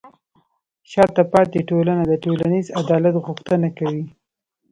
شاته پاتې ټولنه د ټولنیز عدالت غوښتنه کوي.